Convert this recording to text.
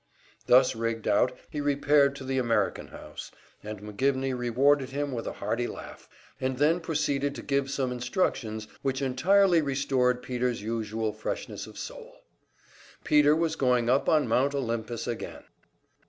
Thus rigged out he repaired to the American House, and McGivney rewarded him with a hearty laugh, and then proceeded to give some instructions which, entirely restored Peter's usual freshness of soul. Peter was going up on Mount Olympus again!